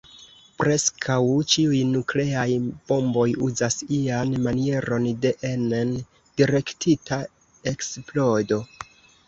Preskaŭ ĉiuj nukleaj bomboj uzas ian manieron de enen direktita eksplodo.